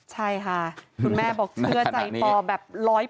ใช่ค่ะคุณแม่บอกเชื่อใจปอแบบ๑๐๐